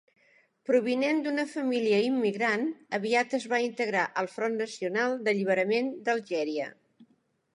Provinent d'una família immigrant, aviat es va integrar al Front Nacional d'Alliberament d'Algèria.